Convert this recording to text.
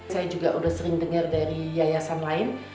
saya juga udah sering denger dari yayasan lain